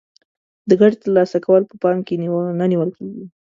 د ګټې تر لاسه کول په پام کې نه نیول کیږي.